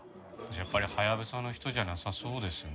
やっぱりハヤブサの人じゃなさそうですね。